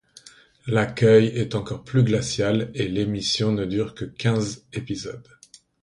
L'accueil est encore plus glacial, et l'émission ne dure que quinze épisodes.